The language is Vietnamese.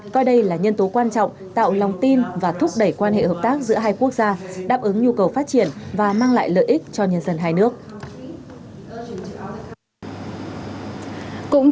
coi đây là nhân tố quan trọng tạo lòng tin và thúc đẩy quan hệ hợp tác giữa hai quốc gia đáp ứng nhu cầu phát triển và mang lại lợi ích cho nhân dân hai nước